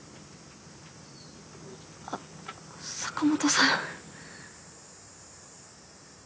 あ坂本さん。